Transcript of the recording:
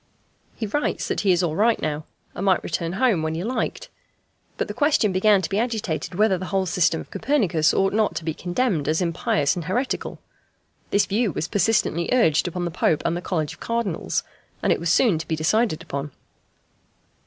He writes that he is all right now, and might return home when he liked. But the question began to be agitated whether the whole system of Copernicus ought not to be condemned as impious and heretical. This view was persistently urged upon the Pope and College of Cardinals, and it was soon to be decided upon.